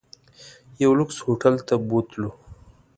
یو لوکس هوټل ته بوتلو.